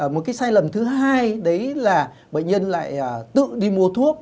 một cái sai lầm thứ hai đấy là bệnh nhân lại tự đi mua thuốc